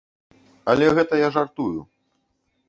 Але гэта я жартую.